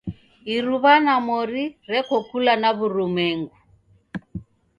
Iruwa na mori reko kula na w'urumwengu